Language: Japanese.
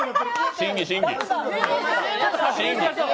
審議、審議。